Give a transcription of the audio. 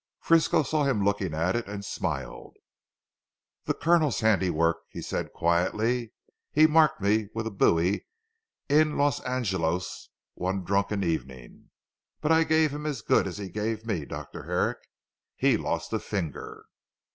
Frisco saw him looking at it, and smiled. "The Colonel's handiwork," said he quietly. "He marked me with a bowie in Los Angelos one drunken evening. But I gave him as good as he gave me Dr. Herrick. He lost a finger."